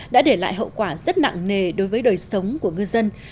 đã để lại hậu quả rất nặng nề đối với đời sống của ngư dân